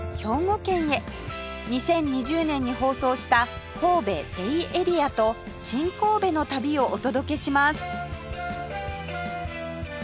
２０２０年に放送した神戸ベイエリアと新神戸の旅をお届けします